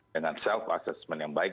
dengan self assessment yang baik